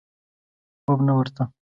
خوب نه ورته.